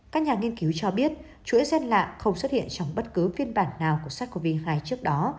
các nhà nghiên cứu cho biết chuỗi gen lạ không xuất hiện trong bất cứ phiên bản nào của sars cov hai trước đó